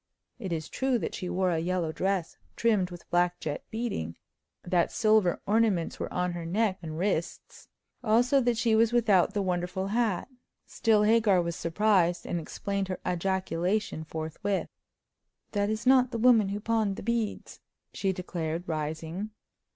It is true that she wore a yellow dress trimmed with black jet beading; that silver ornaments were on her neck and wrists; also that she was without the wonderful hat. Still, Hagar was surprised, and explained her ejaculation forthwith. "That is not the woman who pawned the beads!" she declared, rising.